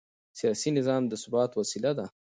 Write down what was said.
سیاسي نظام د ثبات وسیله ده